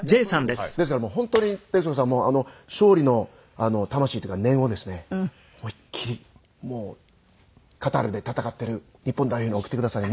ですからもう本当に徹子さんも勝利の魂っていうか念をですね思いっきりカタールで戦っている日本代表に送ってください。